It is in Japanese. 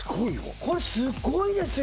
これスゴいですよ